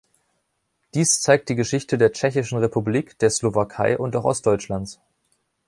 Dies zeigt die Geschichte der Tschechischen Republik, der Slowakei und auch Ostdeutschlands.